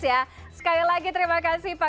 terima kasih pak gandisulisanto